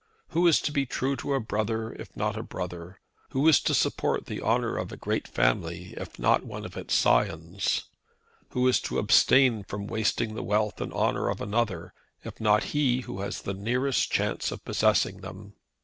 Who is to be true to a brother if not a brother? Who is to support the honour of a great family if not its own scions? Who is to abstain from wasting the wealth and honour of another, if not he who has the nearest chance of possessing them?